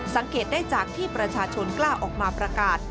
สังเกตได้จากที่ประชาชนกล้าออกมาประกาศ